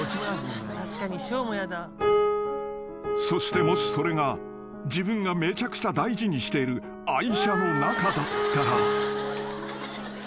［そしてもしそれが自分がめちゃくちゃ大事にしている愛車の中だったら］